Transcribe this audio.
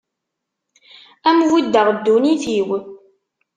Ad am-buddeɣ ddunit-iw.